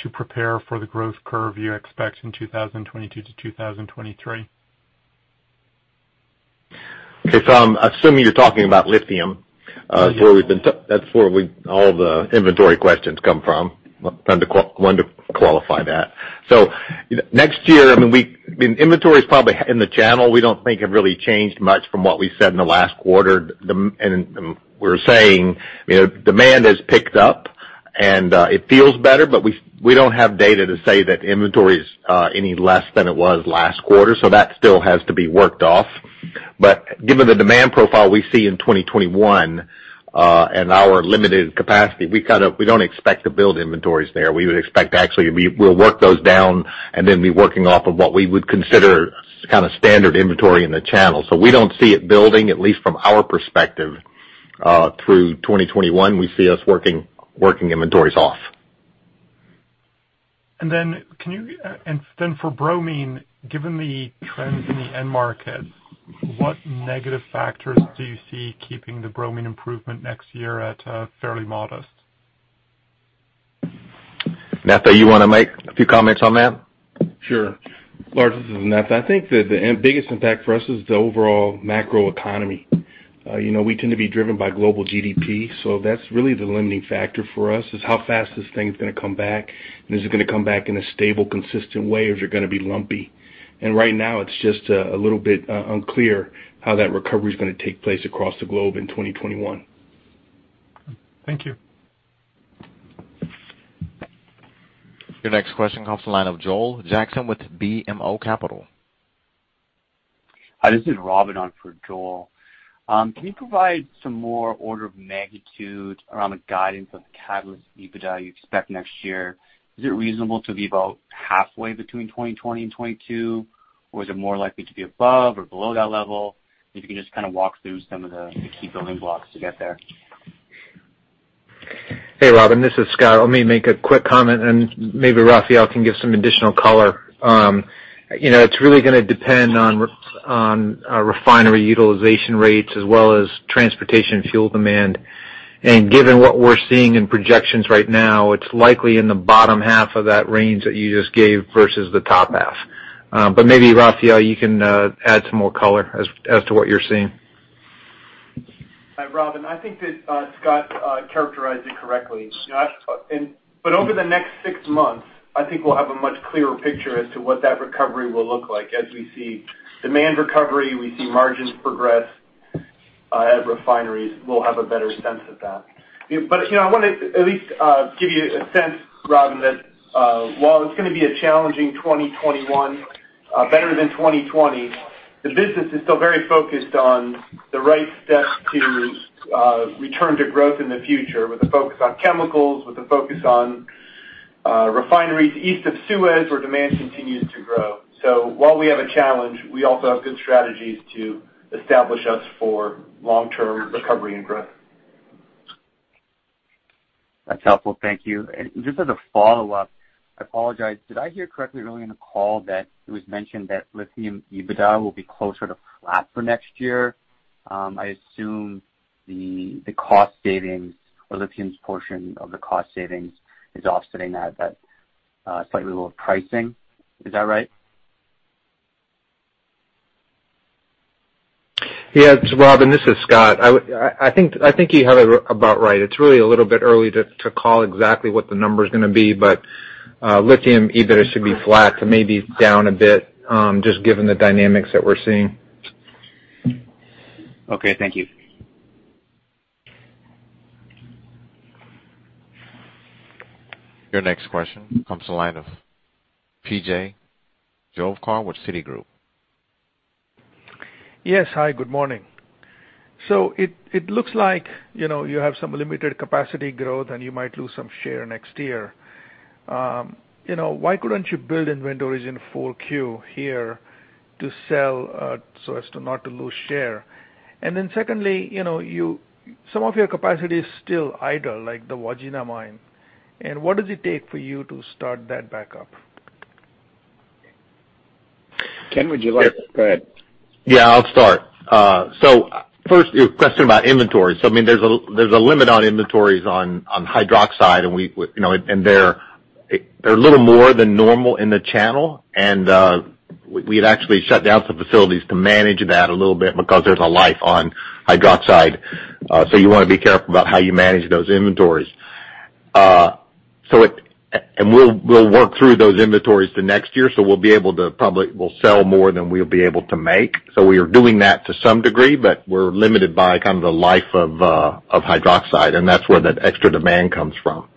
to prepare for the growth curve you expect in 2022 to 2023? Okay. I'm assuming you're talking about lithium. Yes. That's where all the inventory questions come from. Wanted to qualify that. Next year, inventory is probably in the channel. We don't think it really changed much from what we said in the last quarter. We're saying demand has picked up and it feels better, but we don't have data to say that inventory is any less than it was last quarter, so that still has to be worked off. Given the demand profile we see in 2021, and our limited capacity, we don't expect to build inventories there. We would expect actually we'll work those down and then be working off of what we would consider kind of standard inventory in the channel. We don't see it building, at least from our perspective, through 2021. We see us working inventories off. For Bromine, given the trends in the end market, what negative factors do you see keeping the Bromine improvement next year at fairly modest? Netha, you want to make a few comments on that? Sure. Laurence, this is Netha. I think that the biggest impact for us is the overall macroeconomy. We tend to be driven by global GDP, that's really the limiting factor for us is how fast this thing's going to come back, and is it going to come back in a stable, consistent way, or is it going to be lumpy? Right now, it's just a little bit unclear how that recovery is going to take place across the globe in 2021. Thank you. Your next question comes to the line of Joel Jackson with BMO Capital. Hi, this is Robin on for Joel. Can you provide some more order of magnitude around the guidance of the Catalyst EBITDA you expect next year? Is it reasonable to be about halfway between 2020 and 2022, or is it more likely to be above or below that level? If you can just kind of walk through some of the key building blocks to get there. Hey, Robin, this is Scott. Let me make a quick comment and maybe Raphael can give some additional color. It's really going to depend on our refinery utilization rates as well as transportation fuel demand. Given what we're seeing in projections right now, it's likely in the bottom half of that range that you just gave versus the top half. Maybe Raphael, you can add some more color as to what you're seeing. Hi, Robin. I think that Scott characterized it correctly. Over the next six months, I think we'll have a much clearer picture as to what that recovery will look like. As we see demand recovery, we see margins progress at refineries, we'll have a better sense of that. I want to at least give you a sense, Robin, that while it's going to be a challenging 2021, better than 2020, the business is still very focused on the right steps to return to growth in the future with a focus on chemicals, with a focus on refineries East of Suez, where demand continues to grow. While we have a challenge, we also have good strategies to establish us for long-term recovery and growth. That's helpful. Thank you. Just as a follow-up, I apologize, did I hear correctly earlier in the call that it was mentioned that lithium EBITDA will be closer to flat for next year? I assume the cost savings or lithium's portion of the cost savings is offsetting that slightly lower pricing. Is that right? Yes, Robin, this is Scott. I think you have it about right. It's really a little bit early to call exactly what the number's going to be, but lithium EBITDA should be flat to maybe down a bit, just given the dynamics that we're seeing. Okay, thank you. Your next question comes to the line of P.J. Juvekar with Citigroup. Yes. Hi, good morning. It looks like you have some limited capacity growth, and you might lose some share next year. Why couldn't you build inventory in 4Q here to sell so as to not to lose share? Secondly, some of your capacity is still idle, like the Wodgina mine. What does it take for you to start that back up? Kent, would you like to? Go ahead. Yeah, I'll start. First, your question about inventory. There's a limit on inventories on hydroxide, and they're a little more than normal in the channel. We had actually shut down some facilities to manage that a little bit because there's a life on hydroxide. You want to be careful about how you manage those inventories. We'll work through those inventories to next year, so we'll be able to probably sell more than we'll be able to make. We are doing that to some degree, but we're limited by the life of hydroxide, and that's where that extra demand comes from.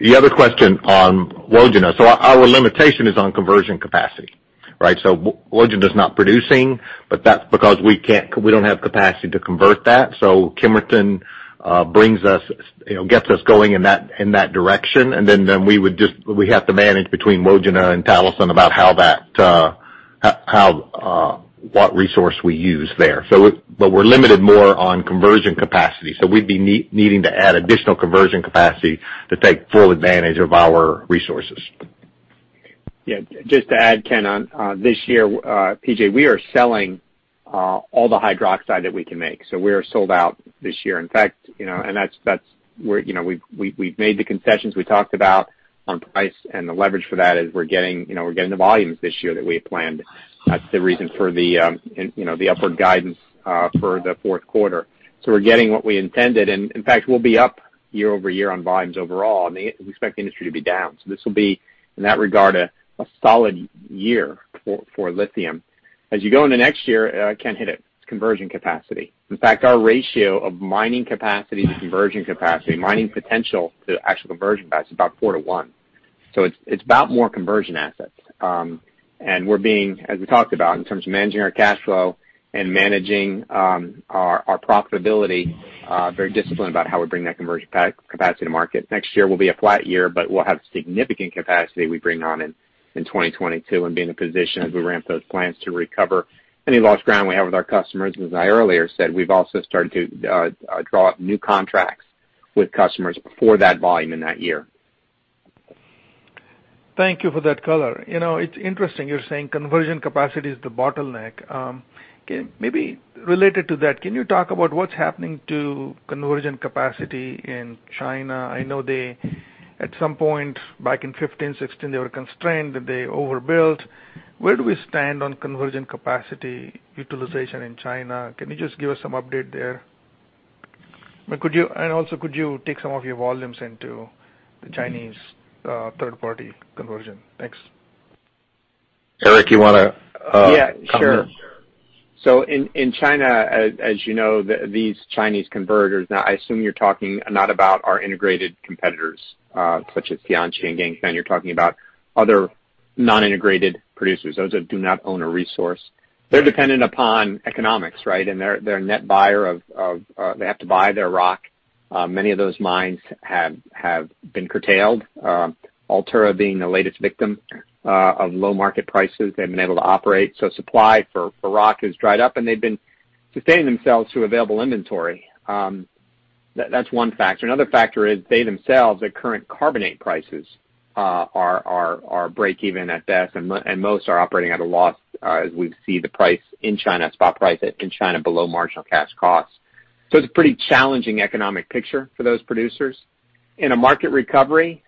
The other question on Wodgina. Our limitation is on conversion capacity, right? Wodgina is not producing, but that's because we don't have capacity to convert that. Kemerton gets us going in that direction. We have to manage between Wodgina and Talison about what resource we use there. We're limited more on conversion capacity. We'd be needing to add additional conversion capacity to take full advantage of our resources. Just to add, Kent, on this year, P.J., we are selling all the hydroxide that we can make. We are sold out this year. In fact, we've made the concessions we talked about on price, and the leverage for that is we're getting the volumes this year that we had planned. That's the reason for the upward guidance for the fourth quarter. We're getting what we intended. In fact, we'll be up year-over-year on volumes overall, and we expect the industry to be down. This will be, in that regard, a solid year for lithium. As you go into next year, Kent hit it. It's conversion capacity. In fact, our ratio of mining capacity to conversion capacity, mining potential to actual conversion capacity, is about four to one. It's about more conversion assets. We're being, as we talked about in terms of managing our cash flow and managing our profitability, very disciplined about how we bring that conversion capacity to market. Next year will be a flat year, but we'll have significant capacity we bring on in 2022 and be in a position as we ramp those plants to recover any lost ground we have with our customers. As I earlier said, we've also started to draw up new contracts with customers for that volume in that year. Thank you for that color. It's interesting you're saying conversion capacity is the bottleneck. Maybe related to that, can you talk about what's happening to conversion capacity in China? I know they, at some point back in 2015, 2016, they were constrained, that they overbuilt. Where do we stand on conversion capacity utilization in China? Can you just give us some update there? Also, could you take some of your volumes into the Chinese third-party conversion? Thanks. Eric, you want to comment? Yeah, sure. In China, as you know, these Chinese converters, now I assume you're talking not about our integrated competitors, such as Tianqi and Ganfeng. You're talking about other non-integrated producers, those that do not own a resource. They're dependent upon economics, right? They have to buy their rock. Many of those mines have been curtailed. Altura being the latest victim of low market prices. They haven't been able to operate. Supply for rock has dried up, and they've been sustaining themselves through available inventory. That's one factor. Another factor is they themselves, at current carbonate prices are break even at best, and most are operating at a loss as we see the price in China, spot price in China, below marginal cash costs. It's a pretty challenging economic picture for those producers. In a market recovery,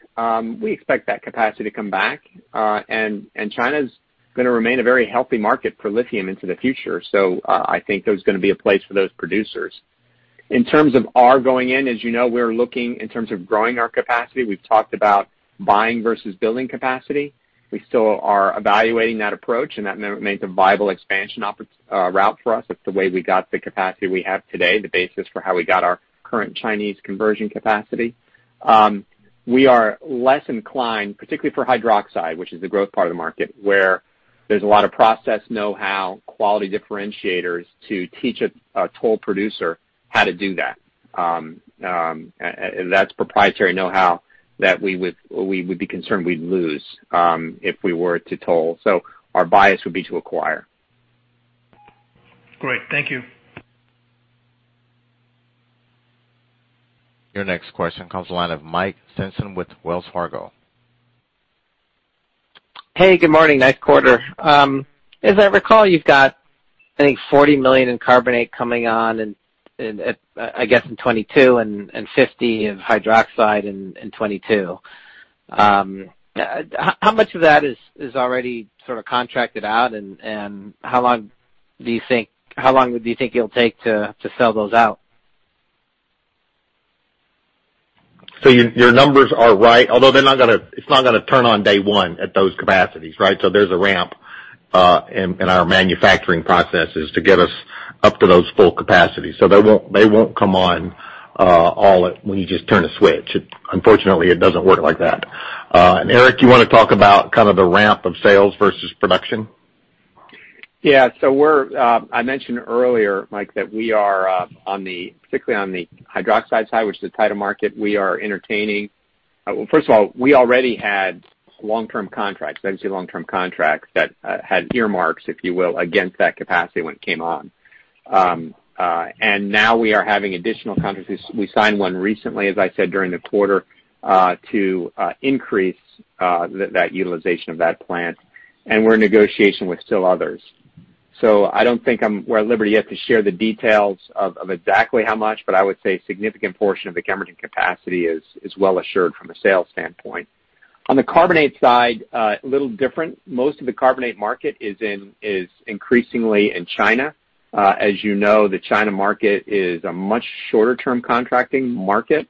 we expect that capacity to come back. China's going to remain a very healthy market for lithium into the future. I think there's going to be a place for those producers. In terms of our going in, as you know, we're looking in terms of growing our capacity. We've talked about buying versus building capacity. We still are evaluating that approach, and that remains a viable expansion route for us. It's the way we got the capacity we have today, the basis for how we got our current Chinese conversion capacity. We are less inclined, particularly for hydroxide, which is the growth part of the market, where there's a lot of process know-how, quality differentiators to teach a toll producer how to do that. That's proprietary know-how that we would be concerned we'd lose, if we were to toll. Our bias would be to acquire. Great. Thank you. Your next question comes the line of Mike Sison with Wells Fargo. Hey, good morning. Nice quarter. As I recall, you've got, I think, 40 million in carbonate coming on, I guess, in 2022 and 50 in hydroxide in 2022. How much of that is already sort of contracted out, and how long do you think it'll take to sell those out? Your numbers are right, although it's not going to turn on day one at those capacities, right? There's a ramp in our manufacturing processes to get us up to those full capacities. They won't come on all at when you just turn a switch. Unfortunately, it doesn't work like that. Eric, you want to talk about kind of the ramp of sales versus production? Yeah. I mentioned earlier, Mike, that we are, particularly on the hydroxide side, which is the tighter market, we are entertaining Well, first of all, we already had long-term contracts, legacy long-term contracts that had earmarks, if you will, against that capacity when it came on. Now we are having additional contracts. We signed one recently, as I said, during the quarter, to increase that utilization of that plant, and we're in negotiation with still others. I don't think I'm at liberty yet to share the details of exactly how much, but I would say significant portion of the Kemerton capacity is well assured from a sales standpoint. On the carbonate side, a little different. Most of the carbonate market is increasingly in China. As you know, the China market is a much shorter-term contracting market.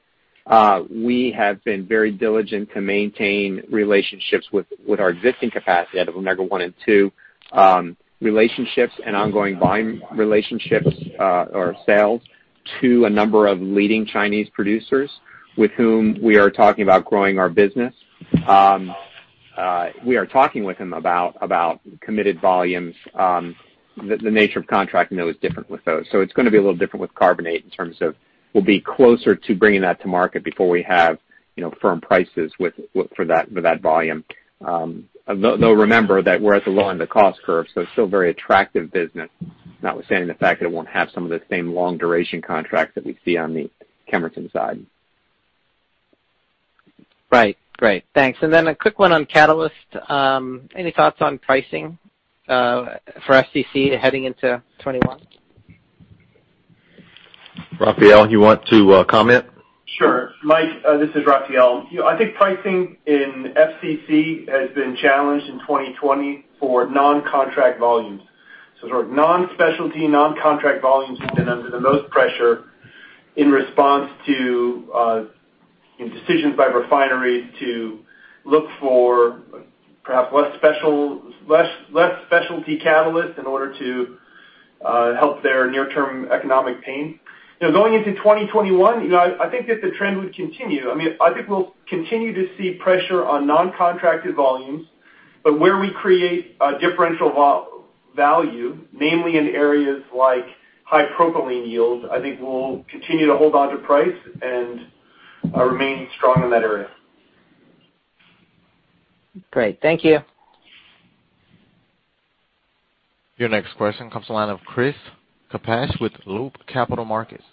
We have been very diligent to maintain relationships with our existing capacity out of La Negra I and II. Relationships and ongoing buying relationships, or sales to a number of leading Chinese producers with whom we are talking about growing our business. We are talking with them about committed volumes. The nature of contracting, though, is different with those. It's going to be a little different with carbonate in terms of we'll be closer to bringing that to market before we have firm prices for that volume. Remember that we're at the low end of the cost curve, so it's still very attractive business, notwithstanding the fact that it won't have some of the same long duration contracts that we see on the Kemerton side. Right. Great. Thanks. Then a quick one on Catalysts. Any thoughts on pricing for FCC heading into 2021? Raphael, you want to comment? Sure. Mike, this is Raphael. I think pricing in FCC has been challenged in 2020 for non-contract volumes. Sort of non-specialty, non-contract volumes have been under the most pressure in response to decisions by refineries to look for perhaps less specialty catalysts in order to help their near-term economic pain. Going into 2021, I think that the trend would continue. I think we'll continue to see pressure on non-contracted volumes, but where we create a differential value, namely in areas like high propylene yields, I think we'll continue to hold onto price and remain strong in that area. Great. Thank you. Your next question comes the line of Chris Kapsch with Loop Capital Markets.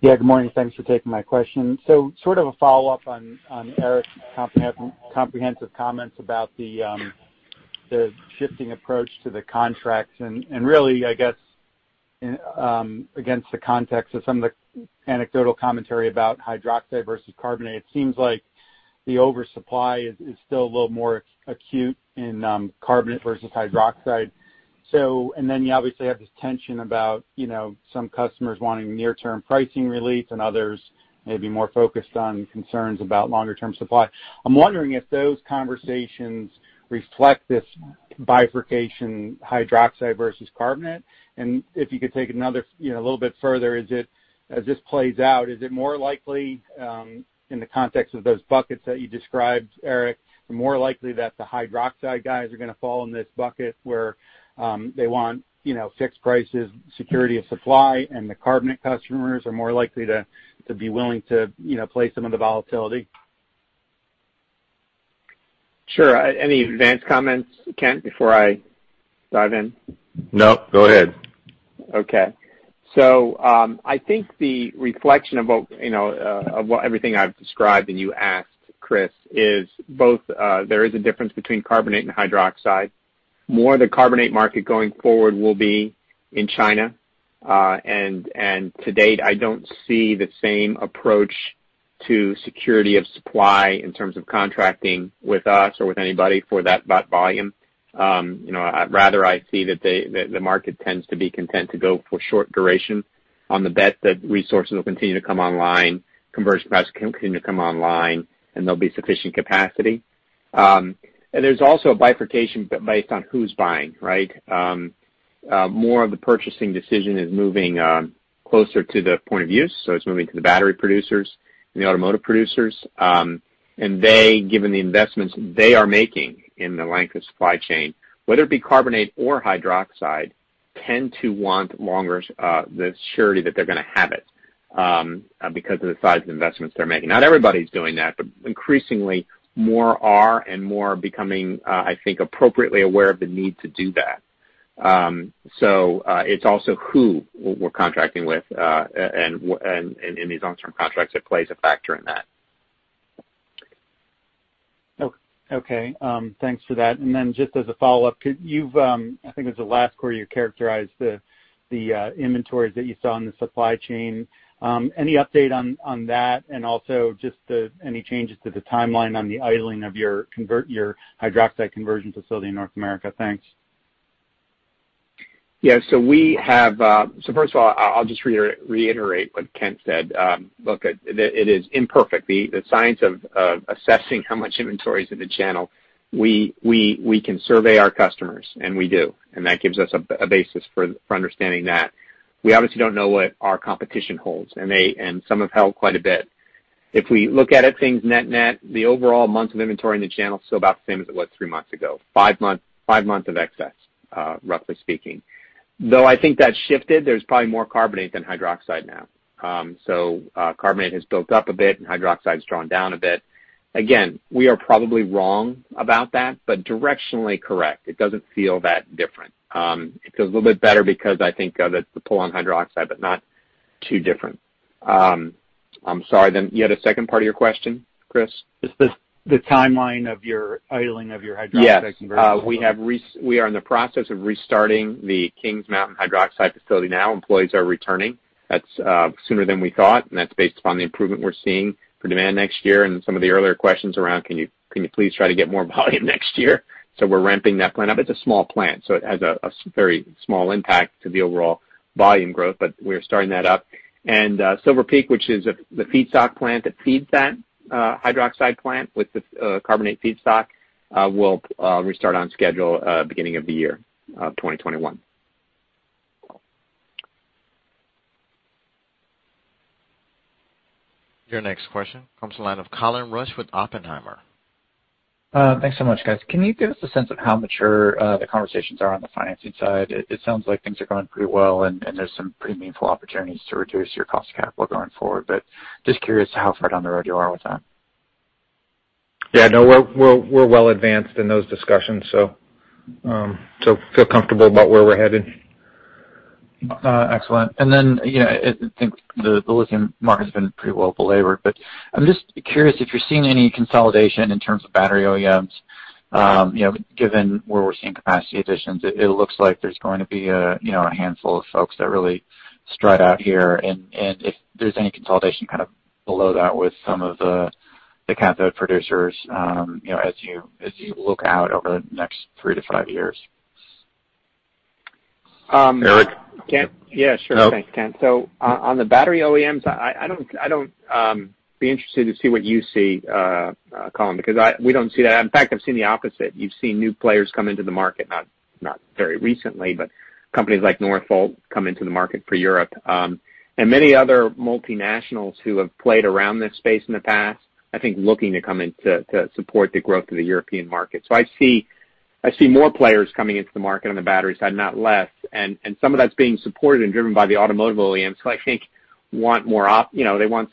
Yeah, good morning. Thanks for taking my question. Sort of a follow-up on Eric's comprehensive comments about the shifting approach to the contracts, and really, I guess, against the context of some of the anecdotal commentary about hydroxide versus carbonate. It seems like the oversupply is still a little more acute in carbonate versus hydroxide. You obviously have this tension about some customers wanting near-term pricing relief and others maybe more focused on concerns about longer-term supply. I'm wondering if those conversations reflect this bifurcation, hydroxide versus carbonate, and if you could take another little bit further, as this plays out, is it more likely, in the context of those buckets that you described, Eric, more likely that the hydroxide guys are going to fall in this bucket where they want fixed prices, security of supply, and the carbonate customers are more likely to be willing to play some of the volatility? Sure. Any advance comments, Kent, before I dive in? No, go ahead. Okay. I think the reflection of everything I've described and you asked, Chris, is both there is a difference between carbonate and hydroxide. More of the carbonate market going forward will be in China. To date, I don't see the same approach to security of supply in terms of contracting with us or with anybody for that volume. Rather, I see that the market tends to be content to go for short duration on the bet that resources will continue to come online, conversion plants continue to come online, and there'll be sufficient capacity. There's also a bifurcation based on who's buying, right? More of the purchasing decision is moving closer to the point of use. It's moving to the battery producers and the automotive producers. They, given the investments they are making in the length of supply chain, whether it be carbonate or hydroxide, tend to want the surety that they're going to have it because of the size of investments they're making. Not everybody's doing that, but increasingly more are and more are becoming, I think, appropriately aware of the need to do that. It's also who we're contracting with in these long-term contracts that plays a factor in that. Okay. Thanks for that. Just as a follow-up, I think it was the last quarter you characterized the inventories that you saw in the supply chain. Any update on that? Just any changes to the timeline on the idling of your hydroxide conversion facility in North America? Thanks. Yeah. First of all, I'll just reiterate what Kent said. Look, it is imperfect. The science of assessing how much inventory is in the channel, we can survey our customers, and we do. That gives us a basis for understanding that. We obviously don't know what our competition holds, and some have held quite a bit. If we look at it, net-net, the overall months of inventory in the channel is still about the same as it was three months ago. Five months of excess, roughly speaking. I think that's shifted, there's probably more carbonate than hydroxide now. Carbonate has built up a bit and hydroxide has drawn down a bit. Again, we are probably wrong about that, but directionally correct. It doesn't feel that different. It feels a little bit better because I think of the pull on hydroxide, but not too different. I'm sorry, you had a second part of your question, Chris? Just the timeline of your idling of your hydroxide conversion. Yes. We are in the process of restarting the Kings Mountain hydroxide facility now. Employees are returning. That's sooner than we thought, and that's based upon the improvement we're seeing for demand next year and some of the earlier questions around can you please try to get more volume next year? We're ramping that plant up. It's a small plant, so it has a very small impact to the overall volume growth, but we're starting that up. Silver Peak, which is the feedstock plant that feeds that hydroxide plant with the carbonate feedstock will restart on schedule beginning of the year 2021. Your next question comes from the line of Colin Rusch with Oppenheimer. Thanks so much, guys. Can you give us a sense of how mature the conversations are on the financing side? It sounds like things are going pretty well and there's some pretty meaningful opportunities to reduce your cost of capital going forward, but just curious how far down the road you are with that. Yeah, no, we're well advanced in those discussions, so feel comfortable about where we're headed. Excellent. I think the lithium market has been pretty well belabored, I'm just curious if you're seeing any consolidation in terms of battery OEMs. Given where we're seeing capacity additions, it looks like there's going to be a handful of folks that really stride out here, if there's any consolidation below that with some of the cathode producers as you look out over the next three to five years. Eric? Kent. Yeah, sure. Thanks, Kent. On the battery OEMs, I'd be interested to see what you see, Colin, because we don't see that. In fact, I've seen the opposite. You've seen new players come into the market, not very recently, but companies like Northvolt come into the market for Europe. Many other multinationals who have played around this space in the past, I think looking to come in to support the growth of the European market. I see more players coming into the market on the battery side, not less, and some of that's being supported and driven by the automotive OEMs, who I think want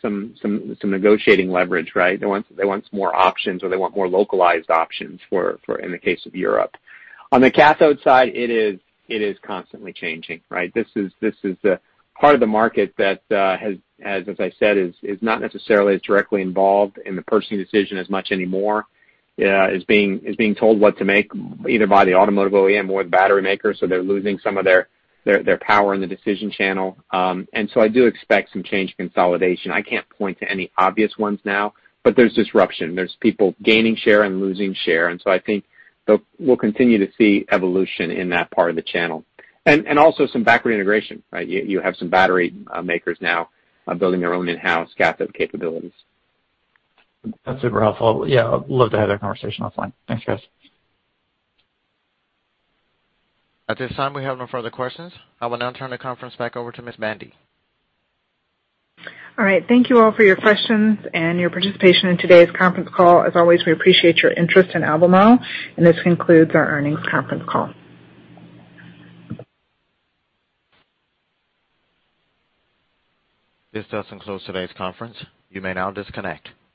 some negotiating leverage, right? They want some more options, or they want more localized options in the case of Europe. On the cathode side, it is constantly changing, right? This is the part of the market that, as I said, is not necessarily as directly involved in the purchasing decision as much anymore. Is being told what to make, either by the automotive OEM or the battery maker, so they're losing some of their power in the decision channel. I do expect some change consolidation. I can't point to any obvious ones now, but there's disruption. There's people gaining share and losing share, and so I think we'll continue to see evolution in that part of the channel. Also some backward integration, right? You have some battery makers now building their own in-house cathode capabilities. That's super helpful. Love to have that conversation offline. Thanks, guys. At this time, we have no further questions. I will now turn the conference back over to Ms. Bandy. All right. Thank you all for your questions and your participation in today's conference call. As always, we appreciate your interest in Albemarle, and this concludes our earnings conference call. This does enclose today's conference. You may now disconnect.